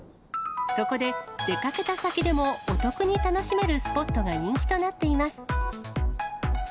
そこで、出かけた先でもお得に楽しめるスポットが人気となっています。